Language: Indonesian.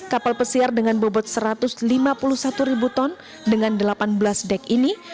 kapal pesiar dengan bobot satu ratus lima puluh satu ribu ton dengan delapan belas dek ini